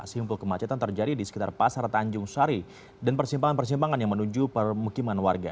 simpul kemacetan terjadi di sekitar pasar tanjung sari dan persimpangan persimpangan yang menuju permukiman warga